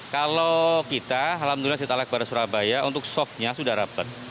kalau kita alhamdulillah setelah kebar surabaya untuk sobnya sudah rapat